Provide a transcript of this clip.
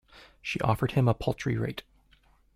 She offered him a paltry rate.